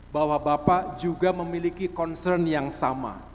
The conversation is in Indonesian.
bahwa bapak juga memiliki concern yang sama